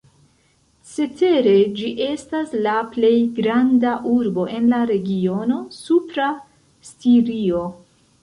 Cetere ĝi estas la plej granda urbo en la regiono Supra Stirio.